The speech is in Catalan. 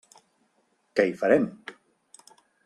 Què hi farem.